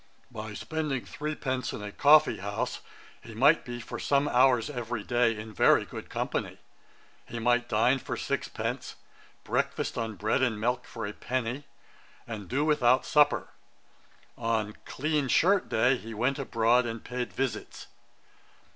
By spending three pence in a coffee house, he might be for some hours every day in very good company; he might dine for six pence, breakfast on bread and milk for a penny, and do without supper. On clean shirt day he went abroad, and paid visits.'